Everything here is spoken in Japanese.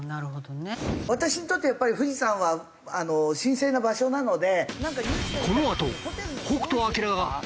私にとってやっぱり富士山は神聖な場所なので。